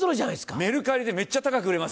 メルカリでめっちゃ高く売れますよこれ。